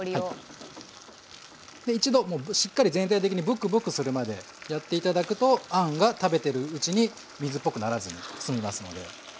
で一度しっかり全体的にブクブクするまでやって頂くとあんが食べてるうちに水っぽくならずに済みますので。